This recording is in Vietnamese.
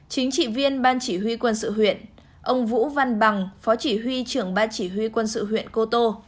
chính trị viên ban chỉ huy quân sự huyện ông vũ văn bằng phó chỉ huy trưởng ban chỉ huy quân sự huyện cô tô